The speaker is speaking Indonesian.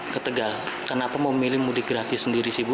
ketegal kenapa mau memilih mudik gratis sendiri sih ibu